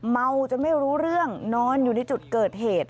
เมาจนไม่รู้เรื่องนอนอยู่ในจุดเกิดเหตุ